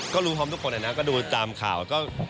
ก็รู้พร้อมทุกคนนะก็ดูตามข่าวก็